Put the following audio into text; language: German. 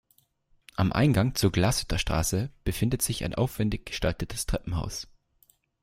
Am Eingang zur Glashütter Straße befindet sich ein aufwändig gestaltetes Treppenhaus.